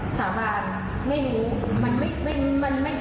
สาบานไม่รู้มันไม่ต้องไม่ถูกทันมันแน่นอน